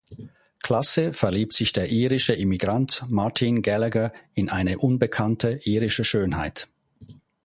Klasse verliebt sich der irische Immigrant Martin Gallagher in eine unbekannte irische Schönheit.